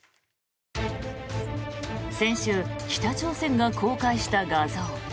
先週、北朝鮮が公開した画像。